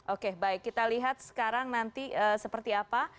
oke baik kita lihat sekarang nanti seperti apa